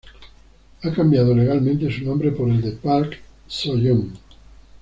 Ha cambiado legalmente su nombre por el de Park So-yeon.